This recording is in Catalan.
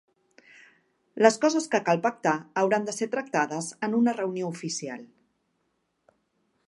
Les coses que cal pactar hauran de ser tractades en una reunió oficial.